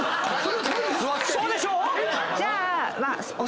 そうでしょう